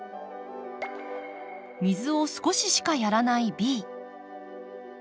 水を少ししかやらないＢ。